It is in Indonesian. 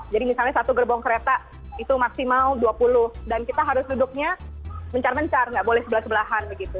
jadi misalnya satu gerbong kereta itu maksimal dua puluh dan kita harus duduknya mencar mencar nggak boleh sebelah sebelahan begitu